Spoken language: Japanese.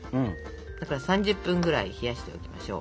だから３０分ぐらい冷やしておきましょう。